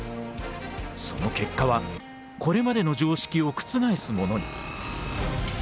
その結果はこれまでの常識を覆すものに。